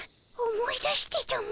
思い出してたも。